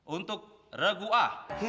untuk regu a